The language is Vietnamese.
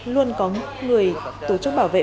luôn có người tổ chức bảo vệ